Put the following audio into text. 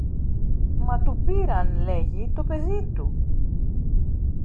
Μα του πήραν, λέγει, το παιδί του.